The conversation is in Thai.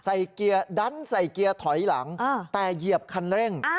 เกียร์ดันใส่เกียร์ถอยหลังแต่เหยียบคันเร่ง